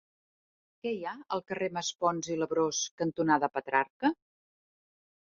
Què hi ha al carrer Maspons i Labrós cantonada Petrarca?